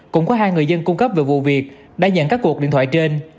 cũng có hai người dân cung cấp về vụ việc đã nhận các cuộc điện thoại trên